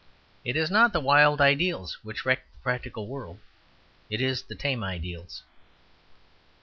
It is not the wild ideals which wreck the practical world; it is the tame ideals.